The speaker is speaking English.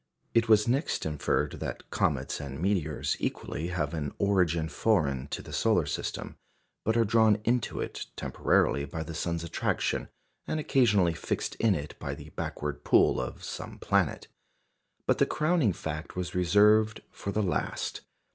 It was next inferred that comets and meteors equally have an origin foreign to the solar system, but are drawn into it temporarily by the sun's attraction, and occasionally fixed in it by the backward pull of some planet. But the crowning fact was reserved for the last.